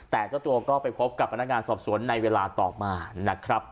แต่เจ้าตัวก็ไปพบกับพนักงานสอบสวนในเวลาต่อมานะครับ